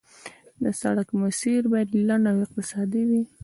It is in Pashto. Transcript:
د سړک مسیر باید لنډ او اقتصادي وي